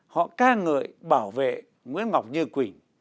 họ ca ngợi bảo vệ nguyễn ngọc như quỳnh